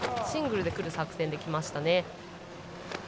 シングルでくる作戦できましたね。